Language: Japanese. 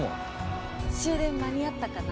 終電間に合ったかな？